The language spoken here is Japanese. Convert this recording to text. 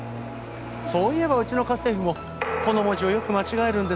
そういえばうちの家政夫もこの文字をよく間違えるんです。